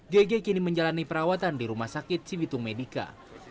gege kini menjalani perawatan di rumah sakit cibitung medica